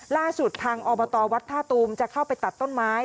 ล่าสุดทางอบตวัดท่าตูมจะเข้าไปตัดต้นไม้